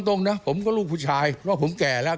ที่มันก็มีเรื่องที่ดิน